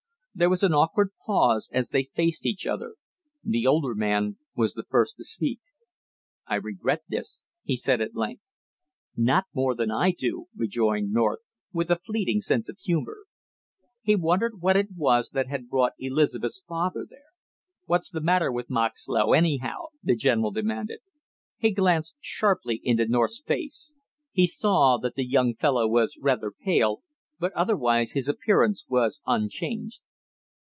There was an awkward pause as they faced each other. The older man was the first to speak. "I regret this!" he said at length. "Not more than I do!" rejoined North, with a fleeting sense of humor. He wondered what it was that had brought Elizabeth's father there. "What's the matter with Moxlow, anyhow?" the general demanded. He glanced sharply into North's face. He saw that the young fellow was rather pale, but otherwise his appearance was unchanged.